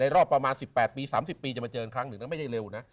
รอบประมาณ๑๘ปี๓๐ปีจะมาเจออีกครั้งหนึ่งนั้นไม่ได้เร็วนะ